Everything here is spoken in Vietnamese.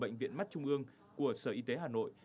bệnh viện mắt trung ương của sở y tế hà nội